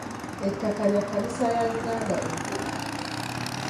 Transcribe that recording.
Ettaka lya Kkanisa ya Uganda enkulu.